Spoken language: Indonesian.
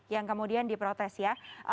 yang kemudian diprotes ya